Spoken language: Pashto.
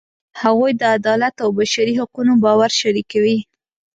هغوی د عدالت او بشري حقونو باور شریکوي.